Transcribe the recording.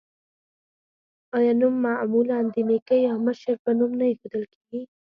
آیا نوم معمولا د نیکه یا مشر په نوم نه ایښودل کیږي؟